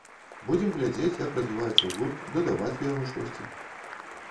Будзем глядзець, як развіваецца гурт, дадаваць у яго штосьці.